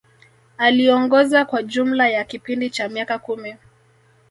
Aliongoza kwa jumla ya kipindi cha miaka kumi